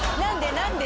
何で？」